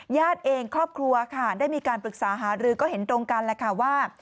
ญาติเองครอบครัวค่ะได้มีการปรึกษาหารือก็เห็นตรงกันแหละค่ะว่า